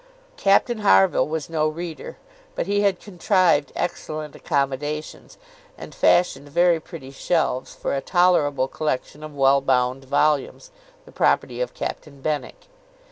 Captain Harville was no reader; but he had contrived excellent accommodations, and fashioned very pretty shelves, for a tolerable collection of well bound volumes, the property of Captain Benwick.